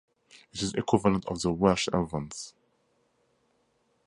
It is the equivalent of the Welsh Evans.